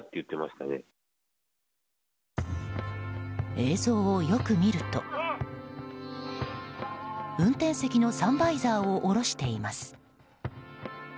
映像をよく見ると、運転席のサンバイザーを下ろしています。